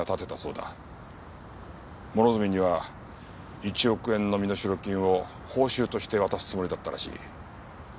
諸角には１億円の身代金を報酬として渡すつもりだったらしい。